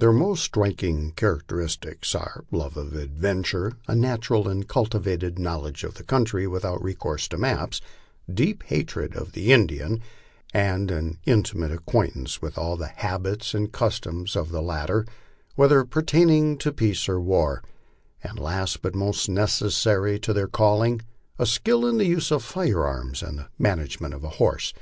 Their most striking characteristics are love of adventure, a natural and cultivated knowledge of the country without recourse to maps, deep hatred of the Indian, and an inti mate acquaintance with all the habits and customs of the latter, whether per taining to peace or war, and last but most necessary to their calling, skill in the use of firearms and in the management of a horse.